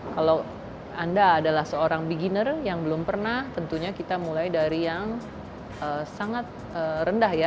kalau anda adalah seorang beginner yang belum pernah tentunya kita mulai dari yang sangat rendah ya